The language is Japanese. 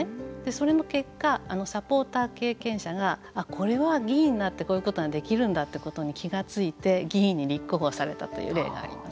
それの結果、サポーター経験者がこれは議員になってこういうことができるんだってことに気がついて議員に立候補されたという例があります。